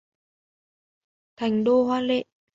Thành đô hoa lệ